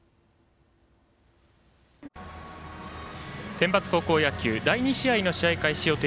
センバツ高校野球第２試合の試合開始予定